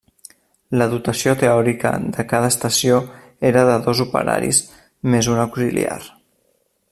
La dotació teòrica de cada estació era de dos operaris, més un auxiliar.